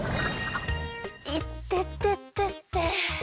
いてててて。